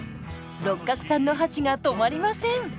六角さんの箸が止まりません！